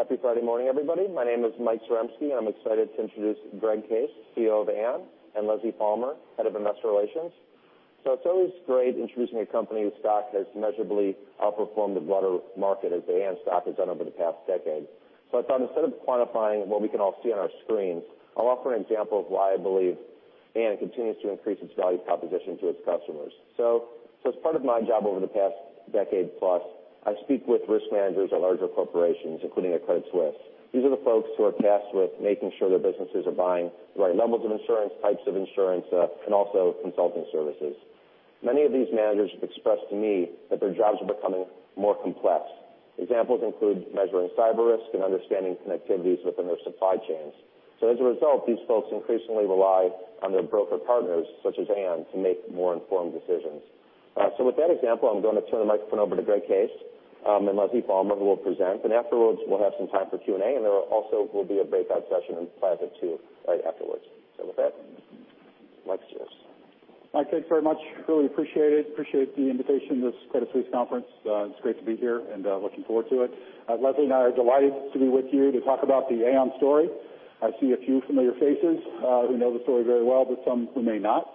Happy Friday morning, everybody. My name is Mike Zaremski, and I'm excited to introduce Greg Case, CEO of Aon, and Leslie Follmer, Head of Investor Relations. It's always great introducing a company whose stock has measurably outperformed the broader market as the Aon stock has done over the past decade. I thought instead of quantifying what we can all see on our screens, I'll offer an example of why I believe Aon continues to increase its value proposition to its customers. As part of my job over the past decade plus, I speak with risk managers at larger corporations, including at Credit Suisse. These are the folks who are tasked with making sure their businesses are buying the right levels of insurance, types of insurance, and also consulting services. Many of these managers have expressed to me that their jobs are becoming more complex. Examples include measuring cyber risk and understanding connectivities within their supply chains. As a result, these folks increasingly rely on their broker partners, such as Aon, to make more informed decisions. With that example, I'm going to turn the microphone over to Greg Case, and Leslie Follmer, who will present. Afterwards, we'll have some time for Q&A, and there also will be a breakout session in Plaza 2 right afterwards. With that, Michael Zaremski. Mike, thanks very much. Really appreciate it. Appreciate the invitation to this Credit Suisse conference. It's great to be here and looking forward to it. Leslie and I are delighted to be with you to talk about the Aon story. I see a few familiar faces who know the story very well, but some who may not.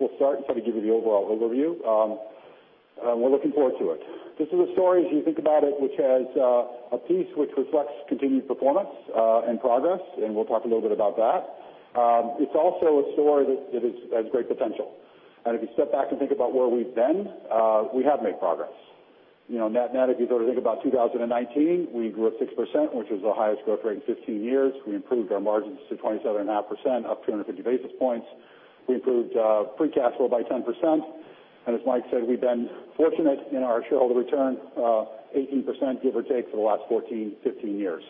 We'll start and try to give you the overall overview. We're looking forward to it. This is a story, as you think about it, which has a piece which reflects continued performance, and progress, and we'll talk a little bit about that. It's also a story that has great potential. If you step back and think about where we've been, we have made progress. Net-net, if you go to think about 2019, we grew at 6%, which was the highest growth rate in 15 years. We improved our margins to 27.5%, up 350 basis points. We improved free cash flow by 10%. As Mike said, we've been fortunate in our shareholder return, 18%, give or take, for the last 14, 15 years.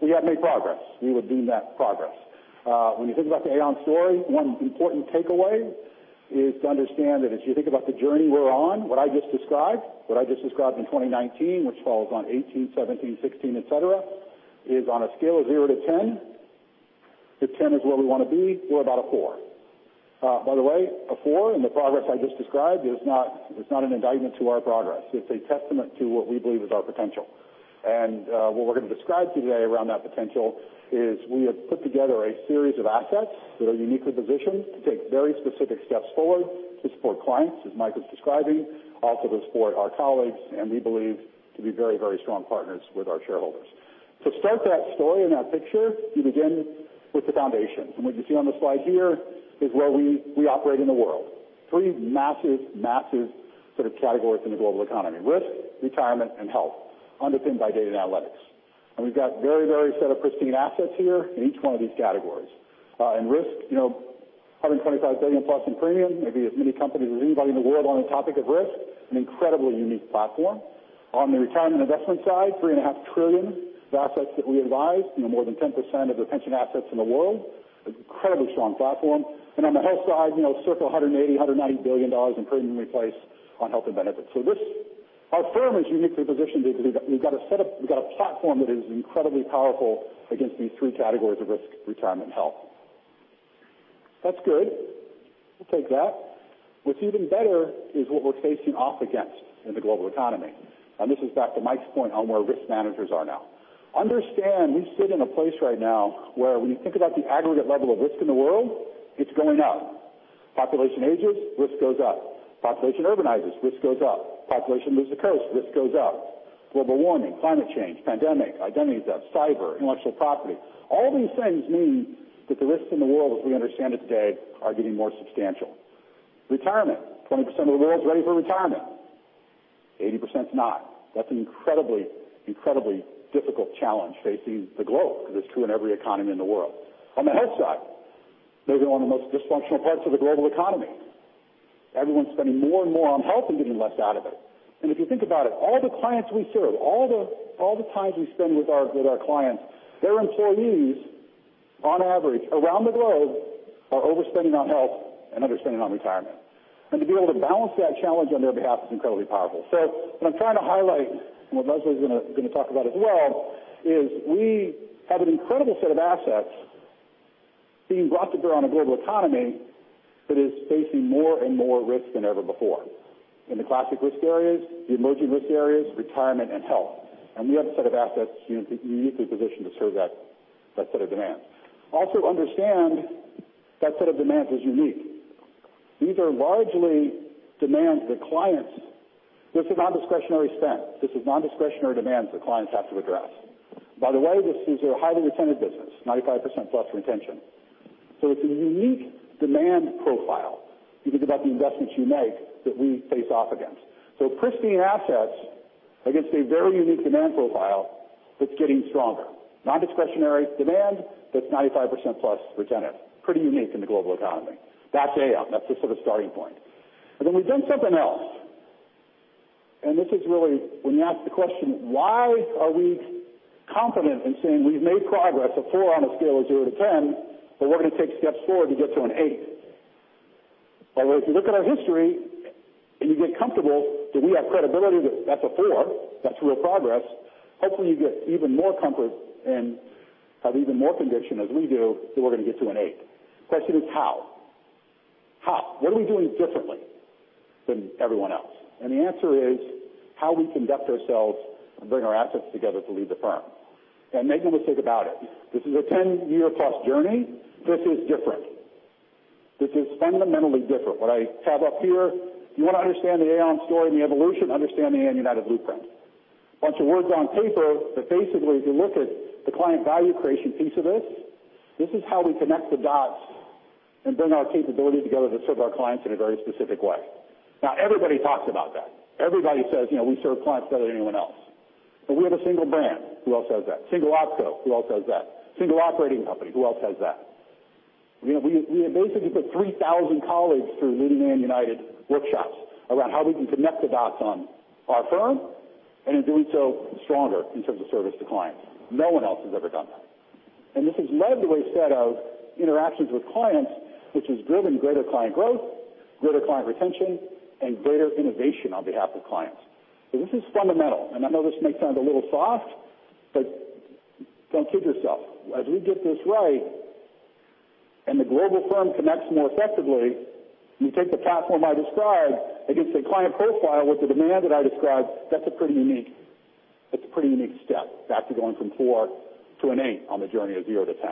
We have made progress. We would deem that progress. When you think about the Aon story, one important takeaway is to understand that as you think about the journey we're on, what I just described in 2019, which follows on 2018, 2017, 2016, et cetera, is on a scale of 0 to 10. If 10 is where we want to be, we're about a 4. By the way, a 4 in the progress I just described is not an indictment to our progress. It's a testament to what we believe is our potential. What we're going to describe to you today around that potential is we have put together a series of assets that are uniquely positioned to take very specific steps forward to support clients, as Mike was describing, also to support our colleagues, and we believe to be very strong partners with our shareholders. To start that story and that picture, you begin with the foundation. What you see on the slide here is where we operate in the world. 3 massive sort of categories in the global economy, risk, retirement, and health, underpinned by data and analytics. We've got very set of pristine assets here in each one of these categories. In risk, $125 billion-plus in premium, maybe as many companies as anybody in the world on the topic of risk, an incredibly unique platform. On the retirement investment side, $3.5 trillion of assets that we advise, more than 10% of the pension assets in the world, incredibly strong platform. On the health side, circa $180 billion-$190 billion in premium we place on health and benefits. Our firm is uniquely positioned because we've got a platform that is incredibly powerful against these 3 categories of risk, retirement, and health. That's good. We'll take that. What's even better is what we're facing off against in the global economy. This is back to Mike's point on where risk managers are now. Understand we sit in a place right now where when you think about the aggregate level of risk in the world, it's going up. Population ages, risk goes up. Population urbanizes, risk goes up. Population moves to coast, risk goes up. Global warming, climate change, pandemic, identity theft, cyber, intellectual property. All these things mean that the risks in the world as we understand it today are getting more substantial. Retirement, 20% of the world's ready for retirement, 80% is not. That's an incredibly difficult challenge facing the globe because it's true in every economy in the world. On the health side, maybe one of the most dysfunctional parts of the global economy. Everyone's spending more and more on health and getting less out of it. If you think about it, all the clients we serve, all the times we spend with our clients, their employees, on average, around the globe, are overspending on health and underspending on retirement. To be able to balance that challenge on their behalf is incredibly powerful. What I'm trying to highlight, and what Leslie's going to talk about as well, is we have an incredible set of assets being brought to bear on a global economy that is facing more and more risk than ever before in the classic risk areas, the emerging risk areas, retirement, and health. We have a set of assets uniquely positioned to serve that set of demands. Also understand that set of demands is unique. These are largely demands that this is nondiscretionary spend. This is nondiscretionary demands that clients have to address. By the way, this is a highly retentive business, 95%-plus retention. It's a unique demand profile, if you think about the investments you make, that we face off against. Pristine assets against a very unique demand profile that's getting stronger. Nondiscretionary demand that's 95%-plus retentive. Pretty unique in the global economy. That's Aon. That's the sort of starting point. We've done something else. This is really when you ask the question, why are we confident in saying we've made progress, a 4 on a scale of 0 to 10, but we're going to take steps forward to get to an 8? By the way, if you look at our history and you get comfortable that we have credibility that that's a 4, that's real progress, hopefully, you get even more comfort and have even more conviction as we do that we're going to get to an 8. Question is how? How? What are we doing differently than everyone else? The answer is how we conduct ourselves and bring our assets together to lead the firm. Make no mistake about it, this is a 10-year plus journey. This is different. This is fundamentally different. What I have up here, if you want to understand the Aon story and the evolution, understand the Aon United blueprint. A bunch of words on paper that basically, if you look at the client value creation piece of this is how we connect the dots and bring our capabilities together to serve our clients in a very specific way. Everybody talks about that. Everybody says, "We serve clients better than anyone else." We have a single brand. Who else has that? Single opco. Who else has that? Single operating company. Who else has that? We have basically put 3,000 colleagues through Leading Aon United workshops around how we can connect the dots on our firm, and in doing so, stronger in terms of service to clients. No one else has ever done that. This has led to a set of interactions with clients, which has driven greater client growth, greater client retention, and greater innovation on behalf of clients. This is fundamental. I know this may sound a little soft, but don't kid yourself. As we get this right and the global firm connects more effectively, you take the platform I described against a client profile with the demand that I described, that's a pretty unique step. That's going from 4 to an 8 on the journey of 0 to 10.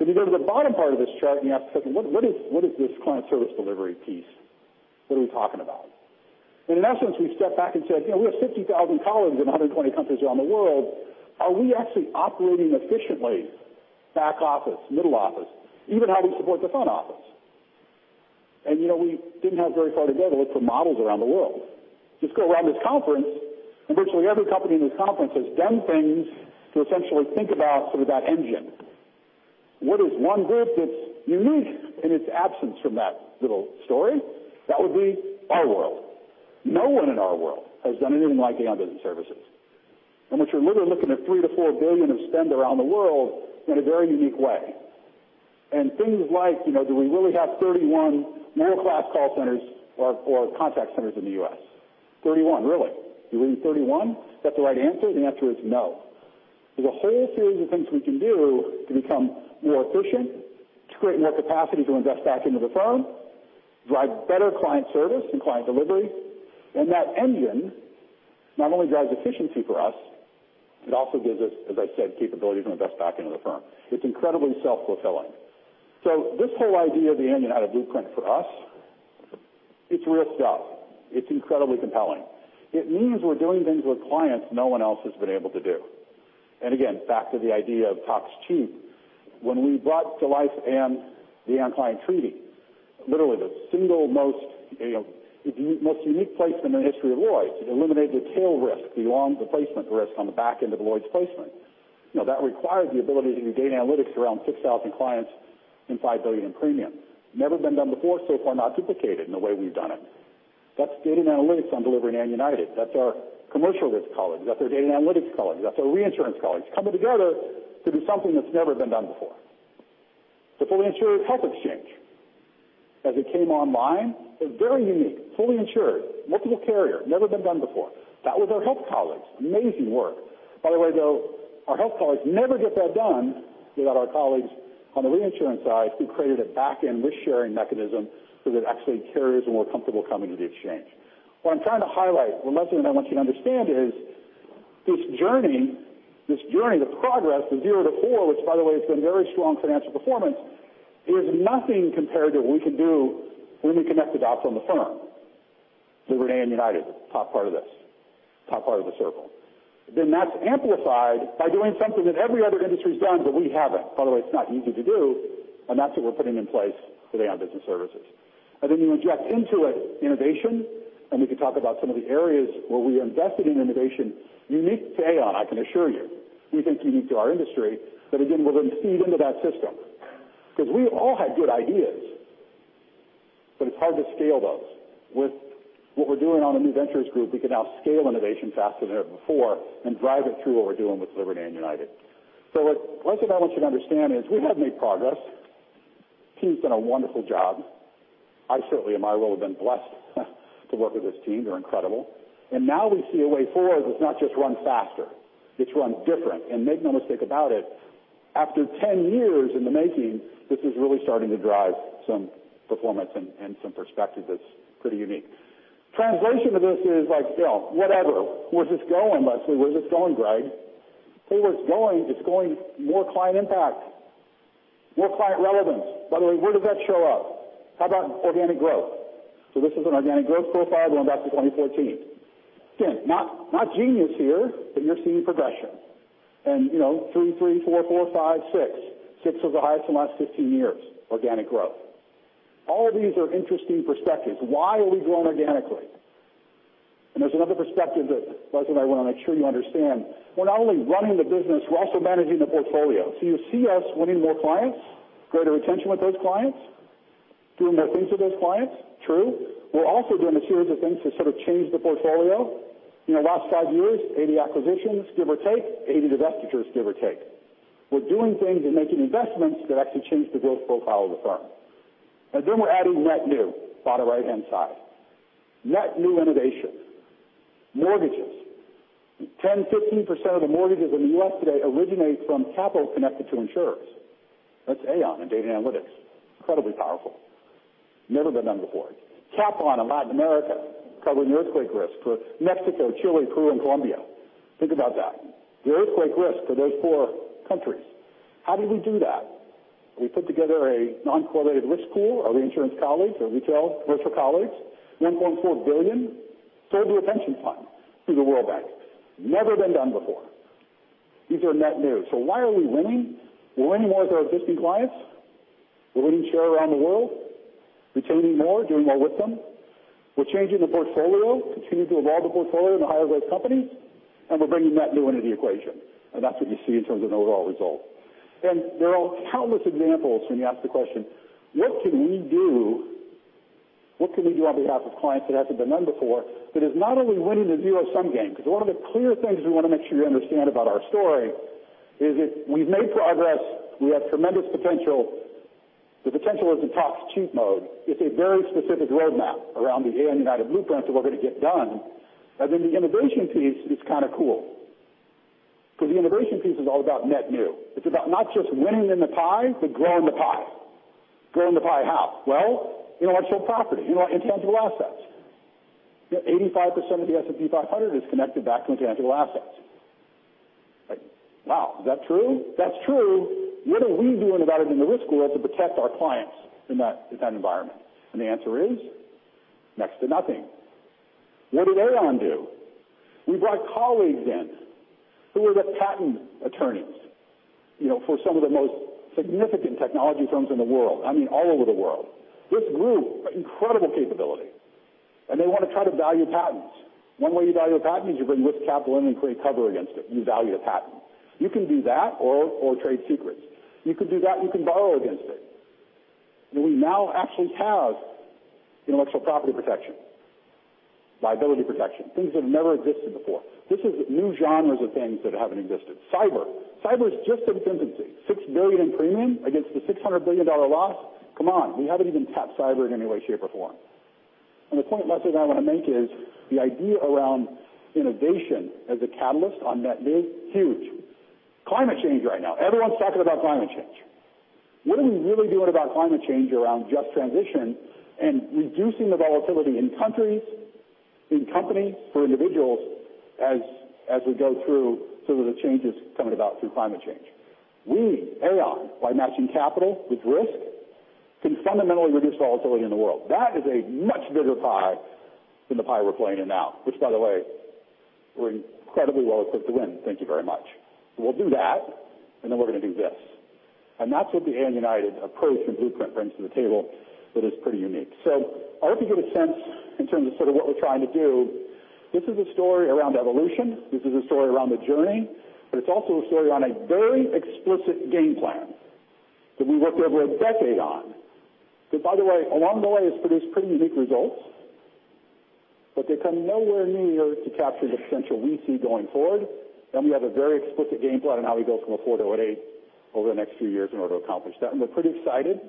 If you go to the bottom part of this chart and you ask the question, what is this client service delivery piece? What are we talking about? In essence, we stepped back and said, "We have 50,000 colleagues in 120 countries around the world. Are we actually operating efficiently, back office, middle office, even how we support the front office?" We didn't have very far to go to look for models around the world. Just go around this conference, virtually every company in this conference has done things to essentially think about sort of that engine. What is one group that's unique in its absence from that little story? That would be our world. No one in our world has done anything like Aon Business Services, in which we're literally looking at $3 billion-$4 billion of spend around the world in a very unique way. Things like, do we really have 31 world-class call centers or contact centers in the U.S.? 31, really? Do we need 31? Is that the right answer? The answer is no. There's a whole series of things we can do to become more efficient, to create more capacity to invest back into the firm, drive better client service and client delivery. That engine not only drives efficiency for us, it also gives us, as I said, capability to invest back into the firm. It's incredibly self-fulfilling. This whole idea of the Aon United blueprint for us, it's risk up. It's incredibly compelling. It means we're doing things with clients no one else has been able to do. Again, back to the idea of talk's cheap. When we brought to life the Aon Client Treaty, literally the single most unique placement in the history of Lloyd's, it eliminated the tail risk, the long replacement risk on the back end of the Lloyd's placement. That required the ability to do data analytics around 6,000 clients and $5 billion in premium. Never been done before, so far not duplicated in the way we've done it. That's data and analytics on delivering Aon United. That's our commercial risk colleagues. That's our data and analytics colleagues. That's our reinsurance colleagues coming together to do something that's never been done before. The fully insured health exchange, as it came online, is very unique, fully insured, multiple carrier, never been done before. That was our health colleagues. Amazing work. By the way, though, our health colleagues never get that done without our colleagues on the reinsurance side, who created a back-end risk-sharing mechanism so that actually carriers are more comfortable coming to the exchange. What I'm trying to highlight, what lesson I want you to understand is this journey, the progress, the zero to four, which by the way has been very strong financial performance, is nothing compared to what we can do when we connect the dots on the firm. Liberty and United, top part of this, top part of the circle. That's amplified by doing something that every other industry's done, but we haven't. By the way, it's not easy to do, and that's what we're putting in place for the Aon Business Services. Then you inject into it innovation, and we can talk about some of the areas where we invested in innovation unique to Aon, I can assure you. We think unique to our industry. Again, we're going to feed into that system because we all had good ideas, but it's hard to scale those. With what we're doing on the new ventures group, we can now scale innovation faster than ever before and drive it through what we're doing with Liberty and United. What lesson I want you to understand is we have made progress. Team's done a wonderful job. I certainly, in my role, have been blessed to work with this team. They're incredible. Now we see a way forward that's not just run faster, it's run different. Make no mistake about it, after 10 years in the making, this is really starting to drive some performance and some perspective that's pretty unique. Translation of this is like, whatever. Where's this going, Leslie? Where's this going, Greg? Hey, where it's going, it's going more client impact, more client relevance. By the way, where does that show up? How about organic growth? This is an organic growth profile going back to 2014. Again, not genius here, but you're seeing progression. Three, three, four, five, six. Six was the highest in the last 15 years, organic growth. All of these are interesting perspectives. Why are we growing organically? There's another perspective that, Leslie, I want to make sure you understand. We're not only running the business, we're also managing the portfolio. You see us winning more clients, greater retention with those clients, doing more things with those clients. True. We're also doing a series of things to sort of change the portfolio. Last five years, 80 acquisitions, give or take, 80 divestitures, give or take. We're doing things and making investments that actually change the growth profile of the firm. Then we're adding net new, bottom right-hand side. Net new innovation. Mortgages. 10%, 15% of the mortgages in the U.S. today originate from capital connected to insurers. That's Aon in data analytics. Incredibly powerful. Never been done before. Catastrophe bond in Latin America, covering the earthquake risk for Mexico, Chile, Peru, and Colombia. Think about that. The earthquake risk for those four countries. How did we do that? We put together a non-correlated risk pool of the insurance colleagues, our retail virtual colleagues, $1.4 billion, third retention fund through the World Bank. Never been done before. These are net new. Why are we winning? We're winning more with our existing clients. We're winning share around the world, retaining more, doing more with them. We're changing the portfolio, continuing to evolve the portfolio in the higher growth companies, and we're bringing net new into the equation. That's what you see in terms of an overall result. There are countless examples when you ask the question, what can we do on behalf of clients that hasn't been done before? That is not only winning the zero-sum game, because one of the clear things we want to make sure you understand about our story is that we've made progress. We have tremendous potential. The potential is in top 2 mode. It's a very specific roadmap around the Aon United blueprint of what we're going to get done. The innovation piece is kind of cool, because the innovation piece is all about net new. It's about not just winning in the pie, but growing the pie. Growing the pie how? Well, intellectual property, intellectual assets. 85% of the S&P 500 is connected back to intangible assets. Like, wow, is that true? That's true. What are we doing about it in the risk world to protect our clients in that environment? The answer is next to nothing. What did Aon do? We brought colleagues in who were the patent attorneys for some of the most significant technology firms in the world. I mean, all over the world. This group, incredible capability. They want to try to value patents. One way you value a patent is you bring risk capital in and create cover against it. You value the patent. You can do that or trade secrets. You could do that, and you can borrow against it. We now actually have intellectual property protection, liability protection, things that have never existed before. This is new genres of things that haven't existed. Cyber. Cyber is just infancy. $6 billion premium against the $600 billion loss. Come on. We haven't even tapped cyber in any way, shape, or form. The point, Leslie, that I want to make is the idea around innovation as a catalyst on net new, huge. Climate change right now. Everyone's talking about climate change. What are we really doing about climate change around just transition and reducing the volatility in countries, in companies, for individuals as we go through some of the changes coming about through climate change? We, Aon, by matching capital with risk, can fundamentally reduce volatility in the world. That is a much bigger pie than the pie we're playing in now, which, by the way, we're incredibly well-equipped to win, thank you very much. We'll do that, and then we're going to do this. That's what the Aon United approach and blueprint brings to the table that is pretty unique. I hope you get a sense in terms of sort of what we're trying to do. This is a story around evolution. This is a story around the journey, but it's also a story on a very explicit game plan that we worked over a decade on. That, by the way, along the way, has produced pretty unique results, but they come nowhere near to capturing the potential we see going forward. We have a very explicit game plan on how we build from a four to an eight over the next few years in order to accomplish that. We're pretty excited.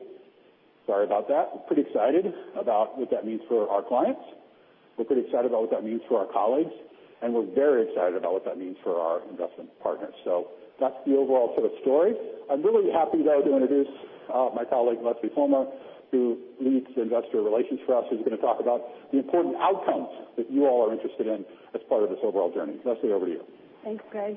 Sorry about that. We're pretty excited about what that means for our clients. We're pretty excited about what that means for our colleagues, and we're very excited about what that means for our investment partners. That's the overall sort of story. I'm really happy, though, to introduce my colleague, Leslie Follmer, who leads investor relations for us, who's going to talk about the important outcomes that you all are interested in as part of this overall journey. Leslie, over to you. Thanks, Greg.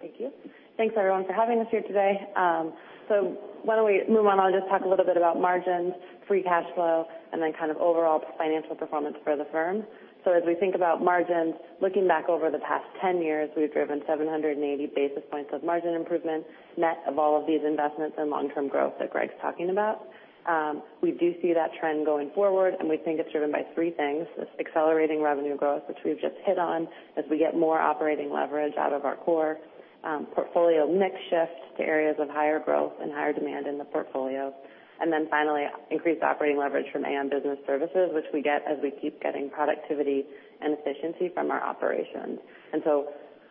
Thank you. Thanks, everyone, for having us here today. Why don't we move on? I'll just talk a little bit about margins, free cash flow, and then kind of overall financial performance for the firm. As we think about margins, looking back over the past 10 years, we've driven 780 basis points of margin improvement, net of all of these investments and long-term growth that Greg's talking about. We do see that trend going forward, and we think it's driven by three things. This accelerating revenue growth, which we've just hit on as we get more operating leverage out of our core portfolio mix shift to areas of higher growth and higher demand in the portfolio. Finally, increased operating leverage from Aon Business Services, which we get as we keep getting productivity and efficiency from our operations.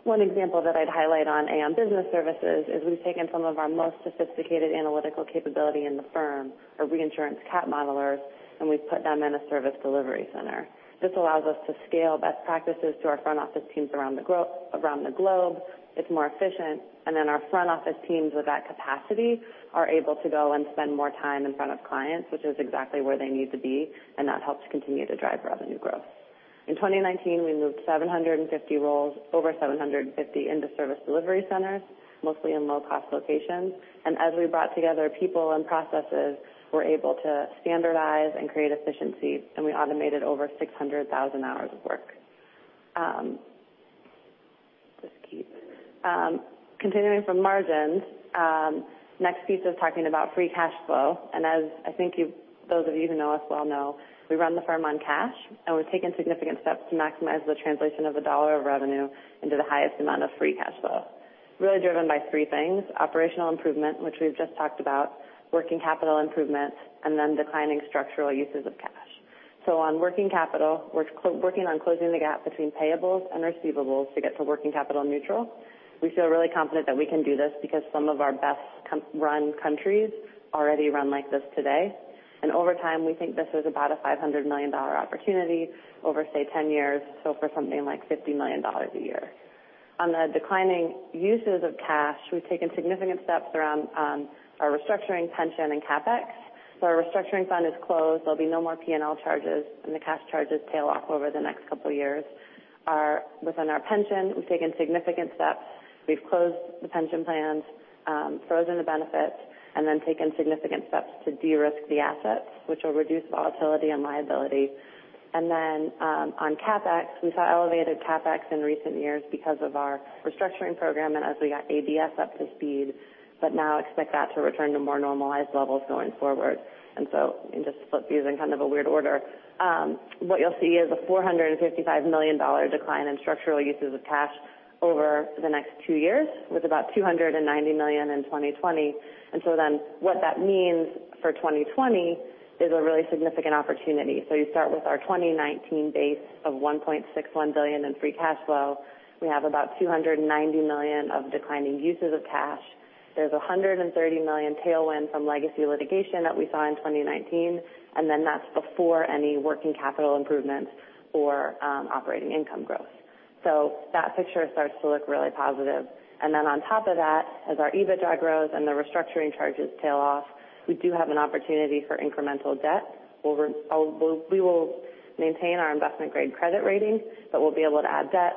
One example that I'd highlight on Aon Business Services is we've taken some of our most sophisticated analytical capability in the firm, our reinsurance cat modelers, and we've put them in a service delivery center. This allows us to scale best practices to our front office teams around the globe. It's more efficient. Our front office teams with that capacity are able to go and spend more time in front of clients, which is exactly where they need to be, and that helps continue to drive revenue growth. In 2019, we moved 750 roles, over 750 into service delivery centers, mostly in low-cost locations. As we brought together people and processes, we're able to standardize and create efficiencies, and we automated over 600,000 hours of work. Next piece is talking about free cash flow. As I think those of you who know us well know, we run the firm on cash, and we've taken significant steps to maximize the translation of a dollar of revenue into the highest amount of free cash flow. Really driven by three things, operational improvement, which we've just talked about, working capital improvement, and then declining structural uses of cash. On working capital, we're working on closing the gap between payables and receivables to get to working capital neutral. We feel really confident that we can do this because some of our best run countries already run like this today. Over time, we think this is about a $500 million opportunity over, say, 10 years, so for something like $50 million a year. On the declining uses of cash, we've taken significant steps around our restructuring pension and CapEx. Our restructuring fund is closed. There'll be no more P&L charges, and the cash charges tail off over the next couple of years. Within our pension, we've taken significant steps. We've closed the pension plans, frozen the benefits, and then taken significant steps to de-risk the assets, which will reduce volatility and liability. On CapEx, we saw elevated CapEx in recent years because of our restructuring program and as we got ABS up to speed, but now expect that to return to more normalized levels going forward. Just flip these in kind of a weird order, what you'll see is a $455 million decline in structural uses of cash over the next two years, with about $290 million in 2020. What that means for 2020 is a really significant opportunity. You start with our 2019 base of $1.61 billion in free cash flow. We have about $290 million of declining uses of cash. There's $130 million tailwind from legacy litigation that we saw in 2019, that's before any working capital improvements or operating income growth. That picture starts to look really positive. On top of that, as our EBITDA grows and the restructuring charges tail off, we do have an opportunity for incremental debt. We will maintain our investment-grade credit rating, but we'll be able to add debt.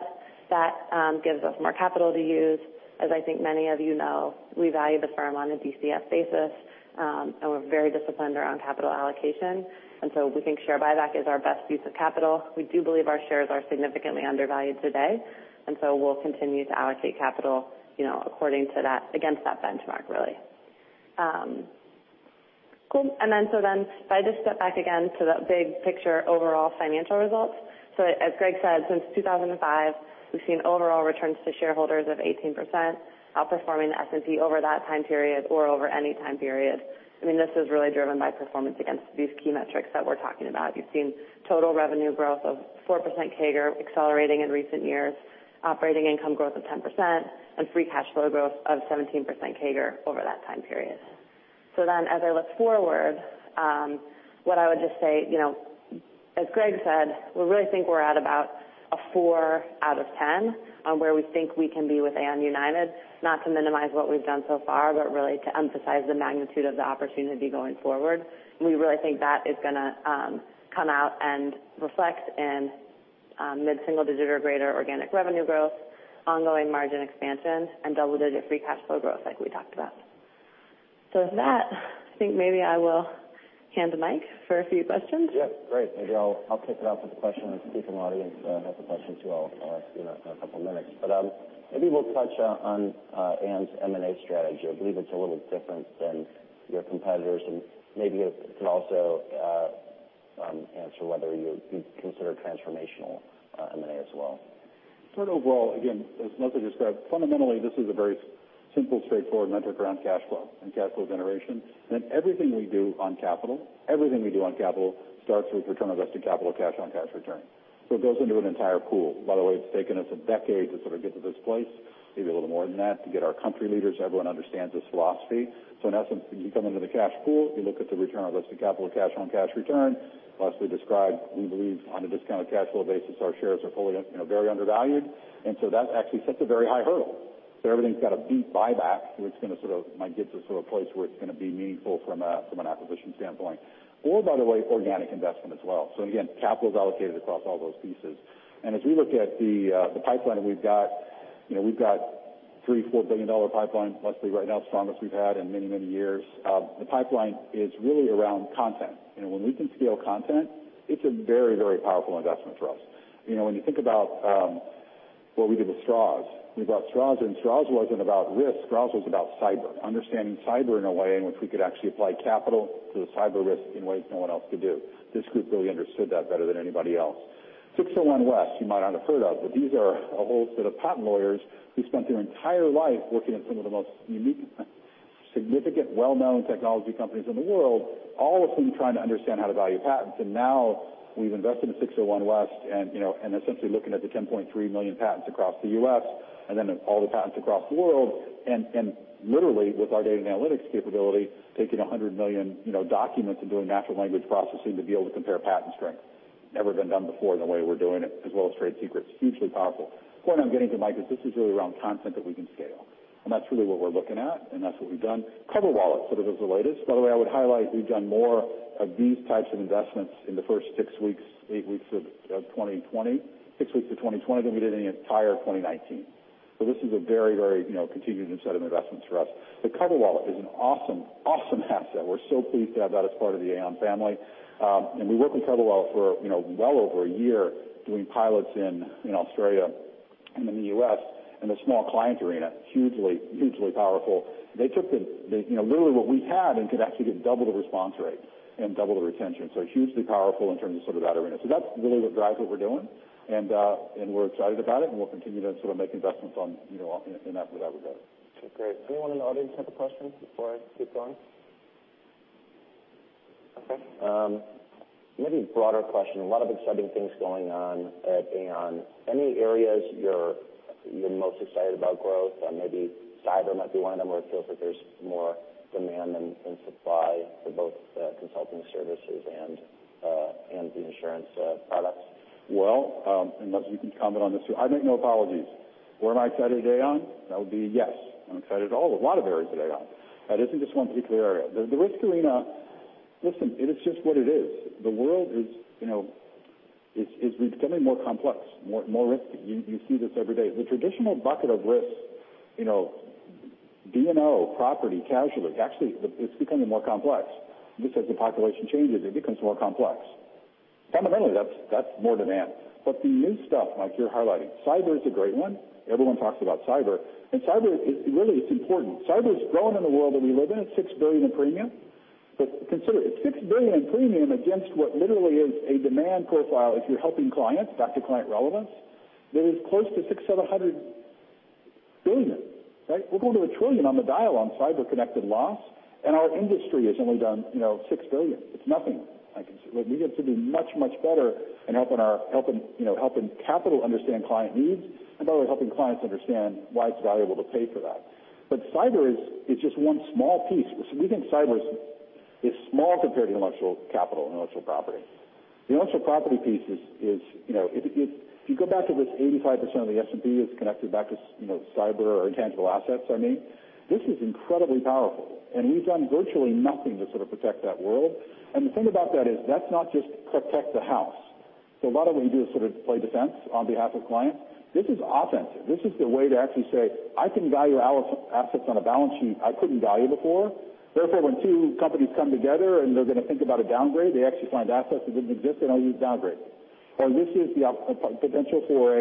That gives us more capital to use. As I think many of you know, we value the firm on a DCF basis, and we're very disciplined around capital allocation. We think share buyback is our best use of capital. We do believe our shares are significantly undervalued today, we'll continue to allocate capital according to that, against that benchmark, really. Cool. If I just step back again to the big picture overall financial results. As Greg said, since 2005, we've seen overall returns to shareholders of 18%, outperforming the S&P over that time period or over any time period. This is really driven by performance against these key metrics that we're talking about. You've seen total revenue growth of 4% CAGR accelerating in recent years, operating income growth of 10%, and free cash flow growth of 17% CAGR over that time period. As I look forward, what I would just say, as Greg said, we really think we're at about a four out of 10 on where we think we can be with Aon United, not to minimize what we've done so far, but really to emphasize the magnitude of the opportunity going forward. We really think that is going to come out and reflect in mid-single digit or greater organic revenue growth, ongoing margin expansion, and double-digit free cash flow growth, like we talked about. With that, I think maybe I will hand to Mike for a few questions. Yep. Great. Maybe I'll kick it off with a question, unless people in the audience have a question, too. I'll ask in a couple of minutes. Maybe we'll touch on Aon's M&A strategy. I believe it's a little different than your competitors, and maybe you can also answer whether you'd consider transformational M&A as well. Sort of overall, again, as Leslie described, fundamentally, this is a very simple, straightforward metric around cash flow and cash flow generation. Everything we do on capital starts with return on invested capital or cash on cash return. It goes into an entire pool. By the way, it's taken us a decade to sort of get to this place, maybe a little more than that, to get our country leaders, everyone understands this philosophy. In essence, when you come into the cash pool, you look at the return on invested capital or cash on cash return. Leslie described, we believe on a discounted cash flow basis, our shares are very undervalued. That actually sets a very high hurdle. Everything's got to beat buyback, where it's going to might get to a place where it's going to be meaningful from an acquisition standpoint. By the way, organic investment as well. Capital is allocated across all those pieces. As we look at the pipeline we've got, we've got a $3 billion-$4 billion pipeline, Leslie, right now, the strongest we've had in many, many years. The pipeline is really around content. When we can scale content, it's a very, very powerful investment for us. When you think about what we did with Stroz. We bought Stroz, and Stroz wasn't about risk, Stroz was about cyber. Understanding cyber in a way in which we could actually apply capital to the cyber risk in ways no one else could do. This group really understood that better than anybody else. 601 West, you might not have heard of, these are a whole set of patent lawyers who spent their entire life working in some of the most unique, significant, well-known technology companies in the world, all of whom trying to understand how to value patents. Now we've invested in 601 West and essentially looking at the 10.3 million patents across the U.S. and then all the patents across the world, and literally with our data and analytics capability, taking 100 million documents and doing natural language processing to be able to compare patent strength. Never been done before the way we're doing it, as well as trade secrets. Hugely powerful. The point I'm getting to, Mike, is this is really around content that we can scale, and that's really what we're looking at, and that's what we've done. CoverWallet sort of is the latest. By the way, I would highlight, we've done more of these types of investments in the first six weeks, eight weeks of 2020 than we did in the entire 2019. This is a very, very continued set of investments for us. CoverWallet is an awesome asset. We're so pleased to have that as part of the Aon family. We worked with CoverWallet for well over a year doing pilots in Australia and in the U.S. in the small client arena. Hugely powerful. They took literally what we had and could actually get double the response rate and double the retention. Hugely powerful in terms of that arena. That's really what drives what we're doing, and we're excited about it, and we'll continue to make investments in that regard. Okay, great. Does anyone in the audience have a question before I keep going? Okay. Maybe broader question. A lot of exciting things going on at Aon. Any areas you're most excited about growth? Maybe cyber might be one of them, where it feels like there's more demand than supply for both the consulting services and the insurance products. Leslie, you can comment on this too. I make no apologies. Where am I excited at Aon? That would be yes. I'm excited at all, a lot of areas at Aon. It isn't just one particular area. The risk arena, listen, it is just what it is. The world is becoming more complex, more risky. You see this every day. The traditional bucket of risk, D&O, property, casualty, actually, it's becoming more complex. Just as the population changes, it becomes more complex. Fundamentally, that's more demand. The new stuff, like you're highlighting, cyber is a great one. Everyone talks about cyber. Cyber is really important. Cyber is grown in the world that we live in. It's $6 billion in premium. Consider, it's $6 billion in premium against what literally is a demand profile if you're helping clients, back to client relevance, that is close to $600 billion-$700 billion. Right? We're going to $1 trillion on the dial on cyber-connected loss. Our industry has only done $6 billion. It's nothing. We get to do much, much better in helping capital understand client needs and by the way, helping clients understand why it's valuable to pay for that. Cyber is just one small piece. We think cyber is small compared to intellectual capital and intellectual property. The intellectual property piece is, if you go back to this 85% of the S&P is connected back to cyber or intangible assets. I mean, this is incredibly powerful. We've done virtually nothing to sort of protect that world. The thing about that is, that's not just protect the house. A lot of what we do is sort of play defense on behalf of clients. This is offensive. This is the way to actually say, I can value assets on a balance sheet I couldn't value before. Therefore, when two companies come together and they're going to think about a downgrade, they actually find assets that didn't exist. They don't use downgrades. This is the potential for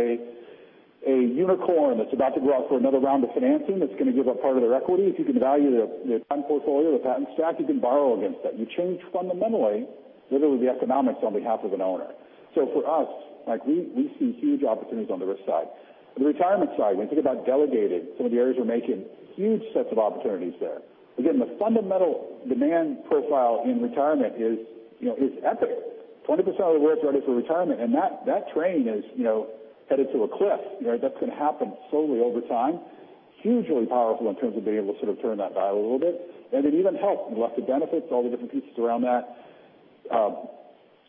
a unicorn that's about to go out for another round of financing, that's going to give up part of their equity. If you can value their patent portfolio, their patent stack, you can borrow against that. You change fundamentally, literally the economics on behalf of an owner. For us, we see huge opportunities on the risk side. On the retirement side, when you think about delegating some of the areas we're making huge sets of opportunities there. Again, the fundamental demand profile in retirement is epic. 20% of the workforce ready for retirement. That train is headed to a cliff. That's going to happen slowly over time. Hugely powerful in terms of being able to sort of turn that dial a little bit. In even health, voluntary benefits, all the different pieces around that,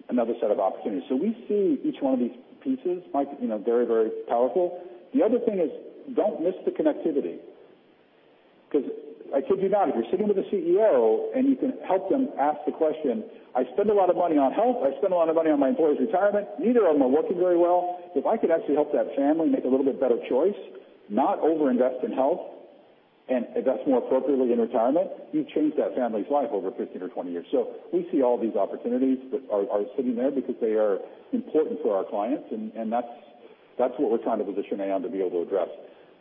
another set of opportunities. We see each one of these pieces, Mike, very, very powerful. The other thing is, don't miss the connectivity, because I kid you not, if you're sitting with a CEO and you can help them ask the question, I spend a lot of money on health, I spend a lot of money on my employees' retirement. Neither of them are working very well. If I could actually help that family make a little bit better choice, not over-invest in health and invest more appropriately in retirement, you've changed that family's life over 15 or 20 years. We see all these opportunities that are sitting there because they are important for our clients, and that's what we're trying to position Aon to be able to address.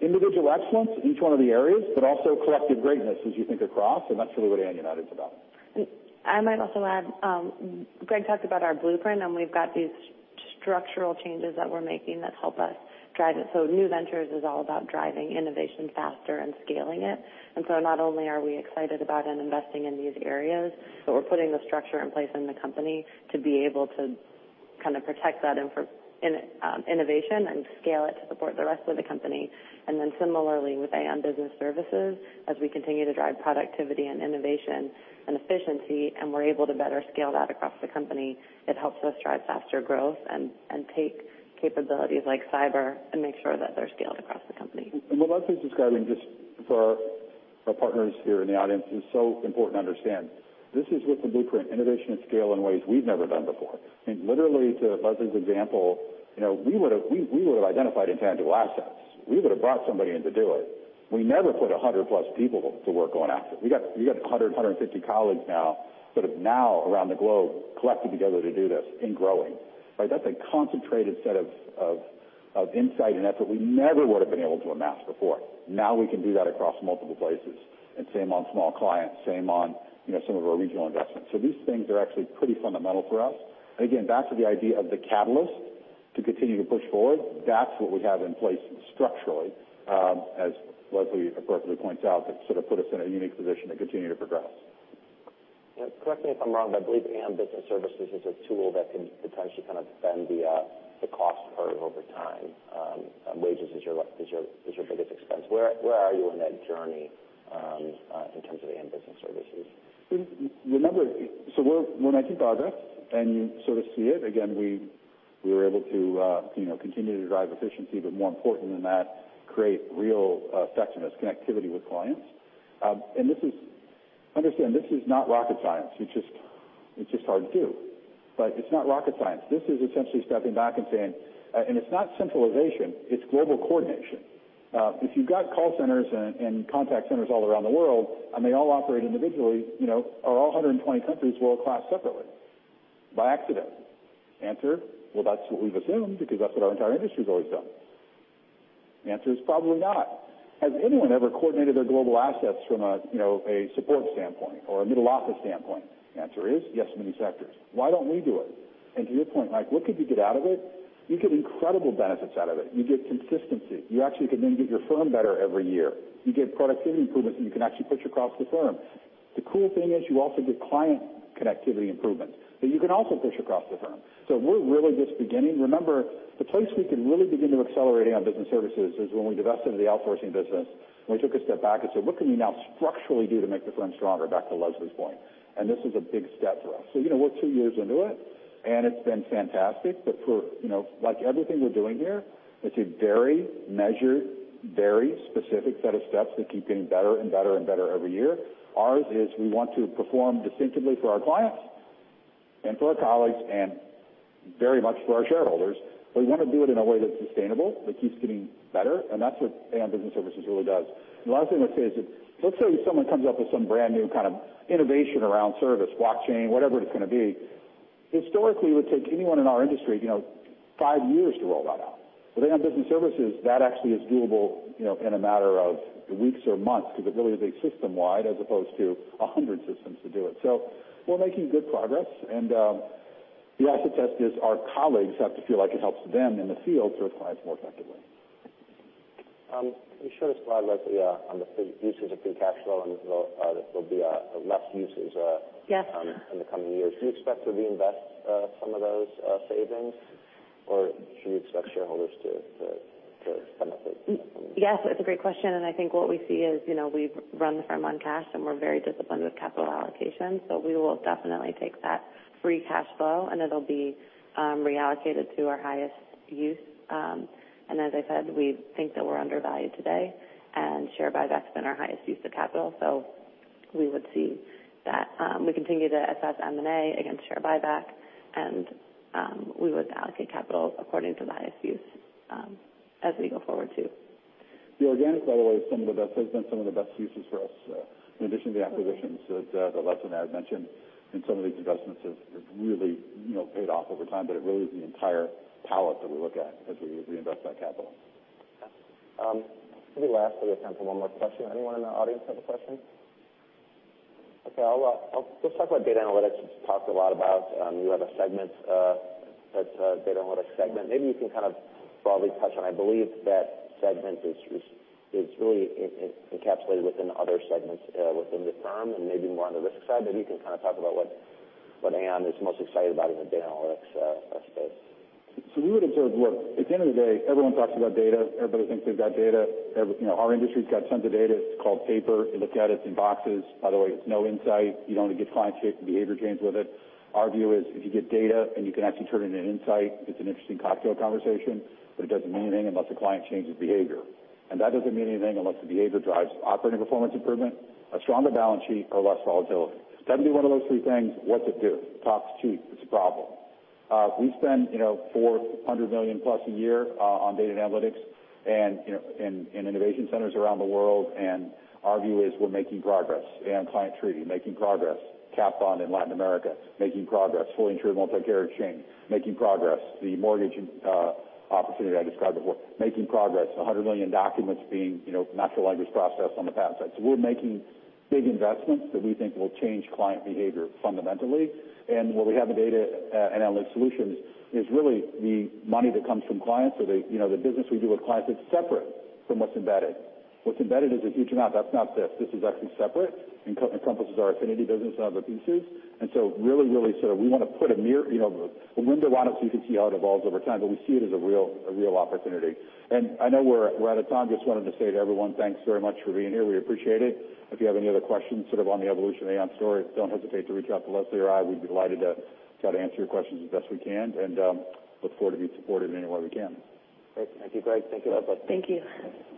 Individual excellence, each one of the areas, but also collective greatness as you think across, and that's really what Aon United's about. I might also add, Greg talked about our blueprint, and we've got these structural changes that we're making that help us drive it. New ventures is all about driving innovation faster and scaling it. Not only are we excited about and investing in these areas, but we're putting the structure in place in the company to be able to kind of protect that innovation and scale it to support the rest of the company. Similarly, with Aon Business Services, as we continue to drive productivity and innovation and efficiency, and we're able to better scale that across the company, it helps us drive faster growth and take capabilities like cyber and make sure that they're scaled across the company. What Leslie's describing, just for our partners here in the audience, is so important to understand. This is with the blueprint innovation at scale in ways we've never done before. I think literally to Leslie's example, we would've identified intangible assets. We would've brought somebody in to do it. We never put 100-plus people to work on assets. We got 100, 150 colleagues now around the globe collecting together to do this and growing. That's a concentrated set of insight and effort we never would've been able to amass before. Now we can do that across multiple places, same on small clients, same on some of our regional investments. These things are actually pretty fundamental for us. Again, back to the idea of the catalyst to continue to push forward, that's what we have in place structurally, as Leslie appropriately points out, that sort of put us in a unique position to continue to progress. Correct me if I'm wrong, I believe Aon Business Services is a tool that could potentially kind of bend the cost curve over time. Wages is your biggest expense. Where are you on that journey in terms of Aon Business Services? Remember, we're making progress, you sort of see it. Again, we were able to continue to drive efficiency, but more important than that, create real effectiveness, connectivity with clients. Understand, this is not rocket science. It's just hard to do. It's not rocket science. This is essentially stepping back and saying it's not centralization, it's global coordination. If you've got call centers and contact centers all around the world, and they all operate individually, are all 120 countries world class separately by accident? Answer, well, that's what we've assumed because that's what our entire industry's always done. The answer is probably not. Has anyone ever coordinated their global assets from a support standpoint or a middle office standpoint? The answer is yes, in many sectors. Why don't we do it? To your point, Mike, what could you get out of it? You get incredible benefits out of it. You get consistency. You actually can then get your firm better every year. You get productivity improvements that you can actually push across the firm. The cool thing is you also get client connectivity improvements that you can also push across the firm. We're really just beginning. Remember, the place we can really begin to accelerate Aon Business Services is when we divested the outsourcing business, and we took a step back and said, "What can we now structurally do to make the firm stronger?" Back to Leslie's point. This is a big step for us. We're two years into it, and it's been fantastic. Like everything we're doing here, it's a very measured, very specific set of steps that keep getting better and better every year. Ours is we want to perform distinctively for our clients and for our colleagues and very much for our shareholders, but we want to do it in a way that's sustainable, that keeps getting better, and that's what Aon Business Services really does. The last thing I would say is that, let's say someone comes up with some brand-new kind of innovation around service, blockchain, whatever it's going to be. Historically, it would take anyone in our industry, five years to roll that out. With Aon Business Services, that actually is doable in a matter of weeks or months because it really is a system-wide as opposed to 100 systems to do it. We're making good progress, and the acid test is our colleagues have to feel like it helps them in the field serve clients more effectively. Can you share the slide, Leslie, on the usage of free cash flow and there'll be less usage- Yes in the coming years. Do you expect to reinvest some of those savings, or should we expect shareholders to benefit from- Yes, that's a great question. I think what we see is we've run the firm on cash, we're very disciplined with capital allocation. We will definitely take that free cash flow, it'll be reallocated to our highest use. As I said, we think that we're undervalued today, share buybacks been our highest use of capital. We would see that we continue to assess M&A against share buyback, we would allocate capital according to the highest use as we go forward, too. The organic, by the way, has been some of the best uses for us in addition to the acquisitions. The Leslie I had mentioned in some of these investments have really paid off over time, it really is the entire palette that we look at as we reinvest that capital. Lastly, we have time for one more question. Anyone in the audience have a question? Let's talk about data analytics. You talked a lot about you have a segment that's a data analytics segment. You can broadly touch on, I believe that segment is really encapsulated within other segments within the firm and maybe more on the risk side. You can talk about what Aon is most excited about in the data analytics space. We would observe, look, at the end of the day, everyone talks about data. Everybody thinks they've got data. Our industry's got tons of data. It's called paper. You look at it's in boxes. By the way, it's no insight. You don't get client behavior change with it. Our view is if you get data and you can actually turn it into insight, it's an interesting cocktail conversation, but it doesn't mean anything unless a client changes behavior. That doesn't mean anything unless the behavior drives operating performance improvement, a stronger balance sheet, or less volatility. It's got to be one of those three things. What's it do? Talks cheap. It's a problem. We spend $400 million plus a year on data and analytics and innovation centers around the world. Our view is we're making progress. Aon Client Treaty, making progress. Catastrophe bond in Latin America, making progress. Fully insured multi-carrier exchange, making progress. The mortgage opportunity I described before, making progress. 100 million documents being natural language processed on the patent side. We're making big investments that we think will change client behavior fundamentally. Where we have the data analytics solutions is really the money that comes from clients or the business we do with clients, it's separate from what's embedded. What's embedded is a huge amount. That's not this. This is actually separate and encompasses our affinity business and other pieces. Really, we want to put a window on it so you can see how it evolves over time, but we see it as a real opportunity. I know we're out of time. Just wanted to say to everyone, thanks very much for being here. We appreciate it. If you have any other questions on the evolution of Aon story, don't hesitate to reach out to Leslie or I. We'd be delighted to try to answer your questions as best we can and look forward to being supportive in any way we can. Great. Thank you, Greg. Thank you, Leslie. Thank you.